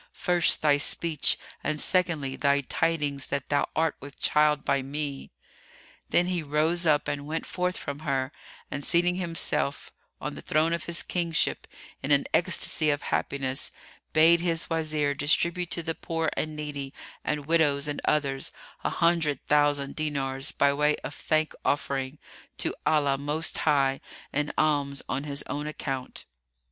first, thy speech, and secondly, thy tidings that thou art with child by me." Then he rose up and went forth from her and, seating himself on the throne of his kingship, in an ecstasy of happiness, bade his Wazir distribute to the poor and needy and widows and others an hundred thousand dinars, by way of thank offering to Allah Most High and alms on his own account.